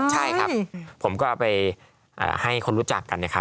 ใช่ครับผมก็เอาไปให้คนรู้จักกันนะครับ